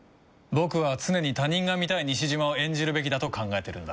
僕は常に他人が見たい西島を演じるべきだと考えてるんだ。